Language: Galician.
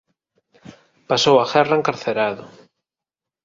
Pasou a guerra encarcerado.